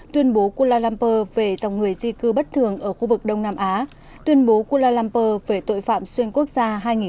tuyên bố kulalampur về dòng người di cư bất thường ở khu vực đông nam á tuyên bố kulalampur về tội phạm xuyên quốc gia hai nghìn một mươi năm